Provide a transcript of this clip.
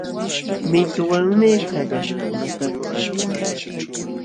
Mituwanmi kallanakunata lulanchik